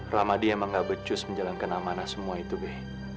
ramadi emang nggak becus menjalankan amanah semua itu be